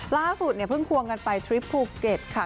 ล่าสุดเนี่ยเพิ่งควงกันไปทริปภูเก็ตค่ะ